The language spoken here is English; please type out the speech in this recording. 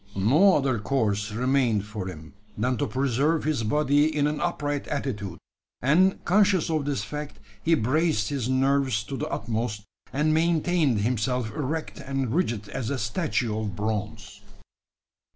No other course remained for him, than to preserve his body in an upright attitude; and, conscious of this fact, he braced his nerves to the utmost, and maintained himself erect and rigid as a statue of bronze.